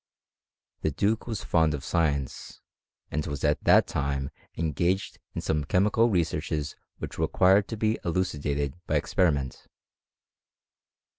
The duke was fond of science, and was at that time engaged in some chemical researches which required to be eluci dated by experiment.